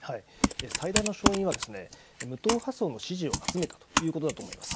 最大の勝因は無党派層の支持を集めたということだと思います。